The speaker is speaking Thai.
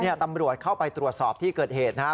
นี่ตำรวจเข้าไปตรวจสอบที่เกิดเหตุนะครับ